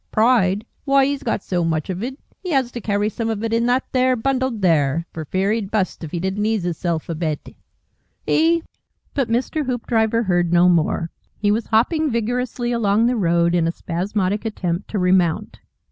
Pride! Why, 'e's got so much of it, 'e has to carry some of it in that there bundle there, for fear 'e'd bust if 'e didn't ease hisself a bit 'E " But Mr. Hoopdriver heard no more. He was hopping vigorously along the road, in a spasmodic attempt to remount.